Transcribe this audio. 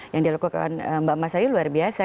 yang dilakukan mbak mas ayu luar biasa